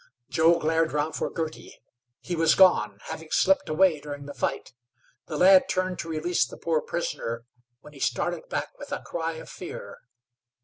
Joe glared round for Girty. He was gone, having slipped away during the fight. The lad turned to release the poor prisoner, when he started back with a cry of fear.